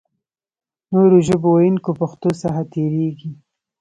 نورو ژبو ویونکي پښتو څخه تېرېږي.